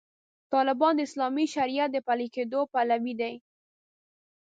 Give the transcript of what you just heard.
طالبان د اسلامي شریعت د پلي کېدو پلوي دي.